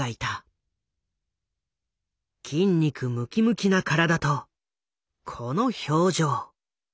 筋肉ムキムキな体とこの表情。